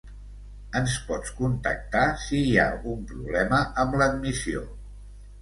Ens pots contactar si hi ha un problema amb l'admissió.